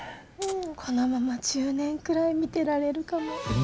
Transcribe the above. このまま１０年くらい見てられるかも。